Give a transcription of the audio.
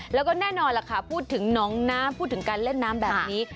แล้วก็แน่นอนล่ะค่ะพูดถึงน้องน้ำพูดถึงการเล่นน้ำแบบนี้